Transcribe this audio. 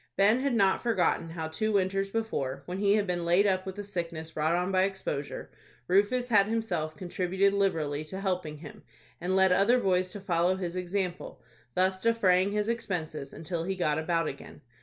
Ben had not forgotten how two winters before, when he had been laid up with a sickness brought on by exposure, Rufus had himself contributed liberally to help him, and led other boys to follow his example, thus defraying his expenses until he got about again.